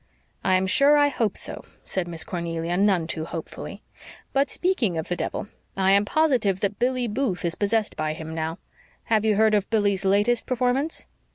"I am sure I hope so," said Miss Cornelia, none too hopefully. "But speaking of the devil, I am positive that Billy Booth is possessed by him now. Have you heard of Billy's latest performance?"